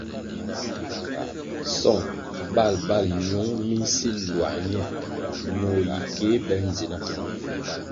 Song bal bal ñiung mi nsil luā ñe ñoh yi kéh be ndzina.